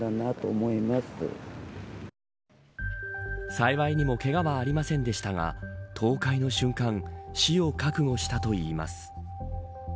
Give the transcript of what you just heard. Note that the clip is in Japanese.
幸いにもけがはありませんでしたが倒壊の瞬間死を覚悟したといいます。